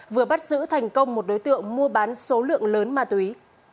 vừa bắt giữ thành công một đối tượng mua bán số lượng lớn ma túy